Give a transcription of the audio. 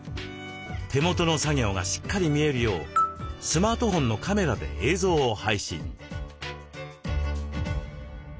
手元の作業がしっかり見えるようスマートフォンのカメラで映像を配信。